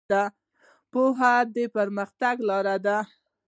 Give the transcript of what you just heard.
پوهه د پرمختګ لاره ده.